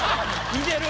似てる？